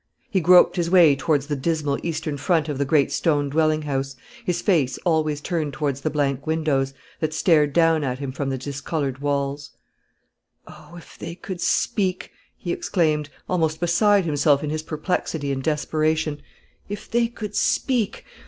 He groped his way towards the dismal eastern front of the great stone dwelling house, his face always turned towards the blank windows, that stared down at him from the discoloured walls. "Oh, if they could speak!" he exclaimed, almost beside himself in his perplexity and desperation; "if they could speak!